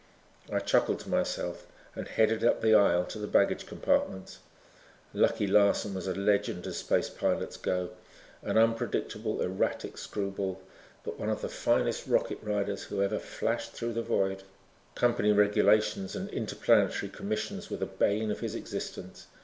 I chuckled to myself and headed up the aisle to the baggage compartments. Lucky Larson was a legend as space pilots go. An unpredictable, erratic screwball but one of the finest rocket riders who ever flashed through the void. Company regulations and interplanetary commissions were the bane of his existence.